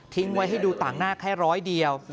ไว้ให้ดูต่างหน้าแค่ร้อยเดียว